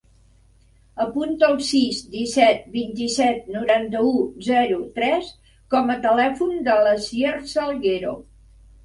Apunta el sis, disset, vint-i-set, noranta-u, zero, tres com a telèfon de l'Asier Salguero.